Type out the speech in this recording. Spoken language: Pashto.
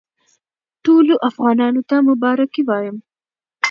ټولو افغانانو ته مبارکي وایم.